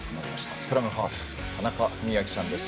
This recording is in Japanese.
スクラムハーフ田中史朗さんです。